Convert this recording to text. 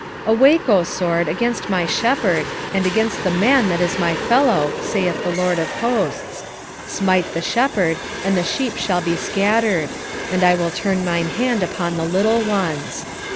13:7 Awake, O sword, against my shepherd, and against the man that is my fellow, saith the LORD of hosts: smite the shepherd, and the sheep shall be scattered: and I will turn mine hand upon the little ones.